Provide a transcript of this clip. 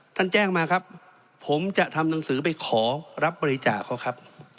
แจ้งมาครับผมจะทำหนังสือไปขอรับบริจาคเขาครับ